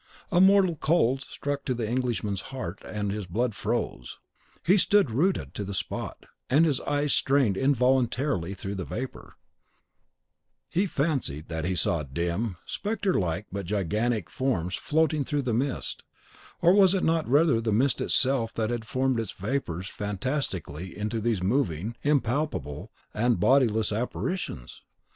A mortal cold struck to the Englishman's heart, and his blood froze. He stood rooted to the spot; and as his eyes strained involuntarily through the vapour, he fancied (for he could not be sure that it was not the trick of his imagination) that he saw dim, spectre like, but gigantic forms floating through the mist; or was it not rather the mist itself that formed its vapours fantastically into those moving, impalpable, and bodiless apparitions?